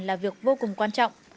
là việc vô cùng quan trọng